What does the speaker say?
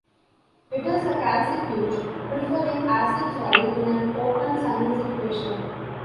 It is a calcifuge, preferring acid soil in an open sunny situation.